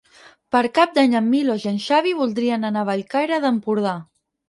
Per Cap d'Any en Milos i en Xavi voldrien anar a Bellcaire d'Empordà.